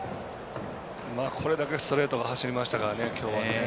これだけストレートが走りましたからね、きょうは。